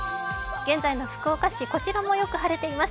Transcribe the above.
現在の福岡市、こちらもよく晴れています。